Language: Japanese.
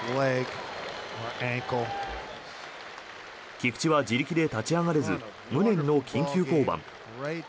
菊池は自力で立ち上がれず無念の緊急降板。